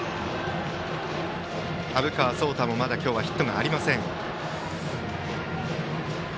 虻川颯汰も今日まだヒットがありません。